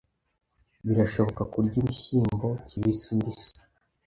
Birashoboka kurya ibishyimbo kibisi mbisi.